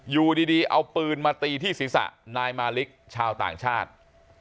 อยู่ดีเอาปืนมาตีที่ศีรษะนายมาลิกชาวต่างชาติ